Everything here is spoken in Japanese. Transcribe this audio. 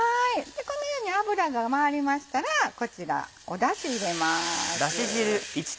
このように油が回りましたらこちらだし入れます。